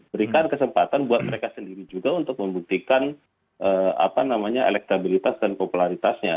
berikan kesempatan buat mereka sendiri juga untuk membuktikan elektabilitas dan popularitasnya